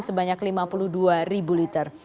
bbm oplosan bersubsidi sebanyak lima puluh dua ribu liter